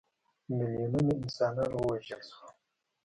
په میلیونونو انسانان ووژل شول.